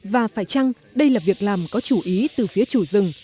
và phải chăng đây là việc làm có chủ ý từ phía chủ rừng